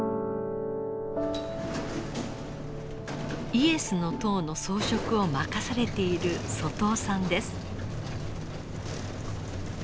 イエスの塔の装飾を任されている外尾さんです。